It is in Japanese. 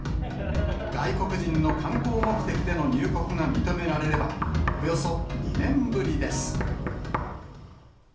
外国人の観光目的での入国が認められれば、およそ２年ぶりです。